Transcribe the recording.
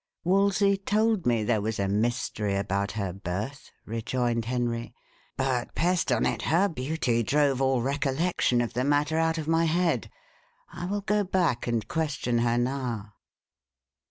"Wolsey told me there was a mystery about her birth," rejoined Henry; "but, pest on it; her beauty drove all recollection of the matter out of my head. I will go back, and question her now."